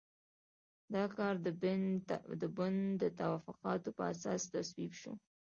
دا کار د بن د توافقاتو په اساس تصویب شو.